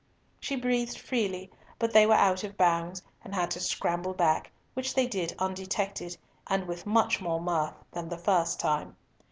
She breathed freely, but they were out of bounds, and had to scramble back, which they did undetected, and with much more mirth than the first time.